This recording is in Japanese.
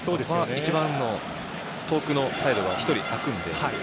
一番遠くのサイドが１人空くので。